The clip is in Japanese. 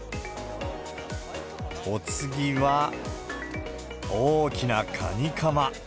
お次は、大きなカニかま。